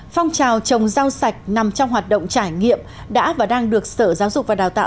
phong trào trồng rau sạch nằm trong hoạt động trải nghiệm đã và đang được sở giáo dục và đào tạo